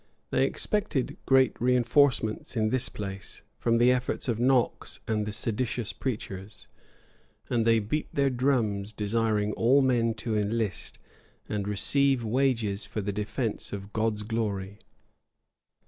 They expected great reënforcements in this place, from the efforts of Knox and the seditious preachers; and they beat their drums, desiring all men to enlist, and receive wages for the defence of God's glory.